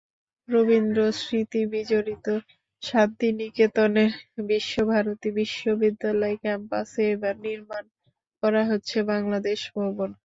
রবীন্দ্র স্মৃতিবিজড়িত শান্তিনিকেতনের বিশ্বভারতী বিশ্ববিদ্যালয় ক্যাম্পাসে এবার নির্মাণ করা হচ্ছে বাংলাদেশ ভবন।